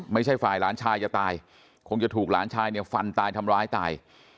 ไม่ใช่ฝ่ายหลานชายจะตายคงจะถูกหลานชายเนี่ยฟันตายทำร้ายตาย